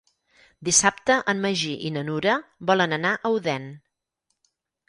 Dissabte en Magí i na Nura volen anar a Odèn.